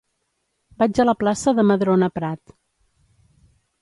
Vaig a la plaça de Madrona Prat.